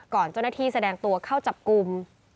เจ้าหน้าที่แสดงตัวเข้าจับกลุ่ม